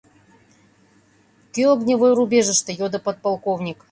— Кӧ огневой рубежыште? — йодо подполковник.